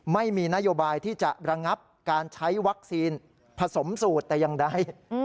ไม่มีนโยบายที่จะระงับการใช้วัคซีนผสมสูตรแต่อย่างใด